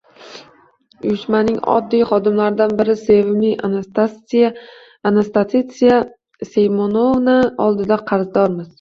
Uyushmaning oddiy xodimlaridan biri, sevimli Anastasiya Semyonovna oldida qarzdormiz.